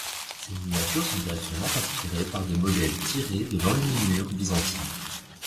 Ces miniatures sont directement inspirées par des modèles tirés de l'enluminure byzantine.